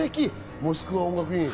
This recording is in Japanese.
モスクワ音楽院。